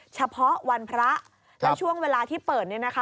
เฉพาะวันพระและช่วงเวลาที่เปิดเนี่ยนะคะ